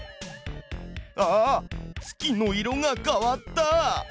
あっ月の色が変わった！